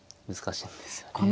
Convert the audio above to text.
難しいんですよね。